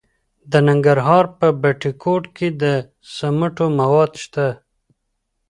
د ننګرهار په بټي کوټ کې د سمنټو مواد شته.